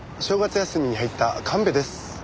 正月休みに入った神戸です。